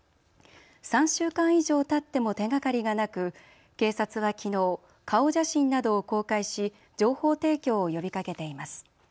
３週間以上たっても手がかりがなく警察はきのう、顔写真などを公開し情報提供を呼びかけています。